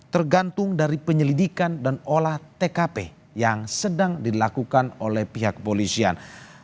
tergantung dari penyelidikan dan olah tkp yang sedang dilakukan oleh pihak polisian